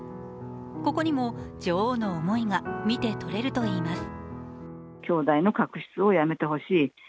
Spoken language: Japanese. ここにも女王の思いが見てとれるといいます。